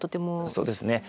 そうですね。